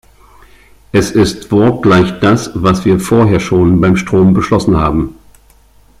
Es ist wortgleich das, was wir vorher schon beim Strom beschlossen haben.